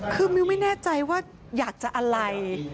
คือมิวไม่แน่ใจว่าอยากจะอะไร